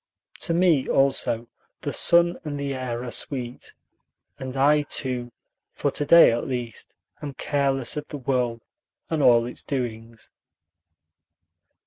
To me also the sun and the air are sweet, and I too, for to day at least, am careless of the world and all its doings.